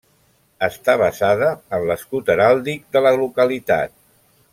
Està basada en l'escut heràldic de la localitat.